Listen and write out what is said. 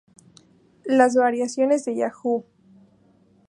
Las variaciones de Yahoo!